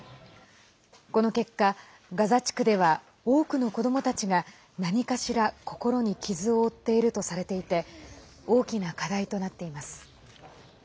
この結果、ガザ地区では多くの子どもたちが何かしら心に傷を負っているとされていて大きな課題となっています。